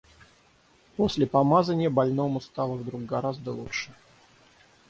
После помазания больному стало вдруг гораздо лучше.